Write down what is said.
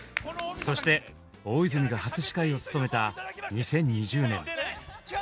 そして大泉が初司会を務めた２０２０年。